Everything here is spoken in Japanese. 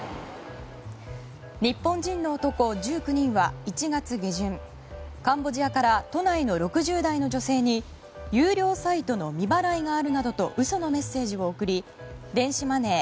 日本人の男１９人は１月下旬、カンボジアから都内の６０代の女性に有料サイトの未払いがあるなどと嘘のメッセージを送り電子マネー